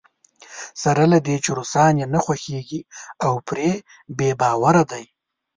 سره له دې چې روسان یې نه خوښېږي او پرې بې باوره دی.